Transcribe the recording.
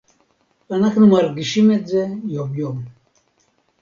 אנחנו מרגישים את זה יום-יום